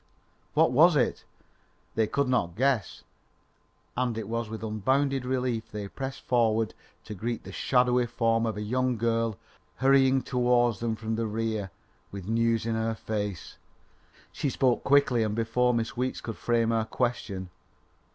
What was it? They could not guess, and it was with unbounded relief they pressed forward to greet the shadowy form of a young girl hurrying towards them from the rear, with news in her face. She spoke quickly and before Miss Weeks could frame her question.